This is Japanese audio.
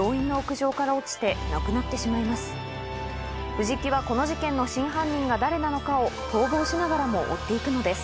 藤木はこの事件の真犯人が誰なのかを逃亡しながらも追って行くのです